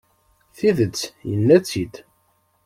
Tidet, yenna-tt-id.